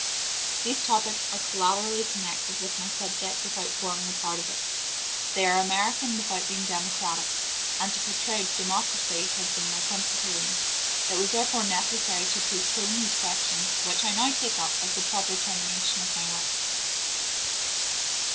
These topics are collaterally connected with my subject without forming a part of it; they are American without being democratic; and to portray democracy has been my principal aim. It was therefore necessary to postpone these questions, which I now take up as the proper termination of my work.